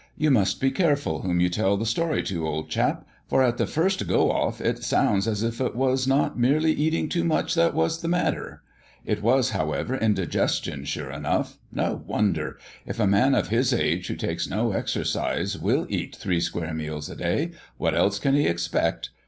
You must be careful whom you tell the story to, old chap; for at the first go off it sounds as if it was not merely eating too much that was the matter. It was, however, indigestion sure enough. No wonder! If a man of his age who takes no exercise will eat three square meals a day, what else can he expect?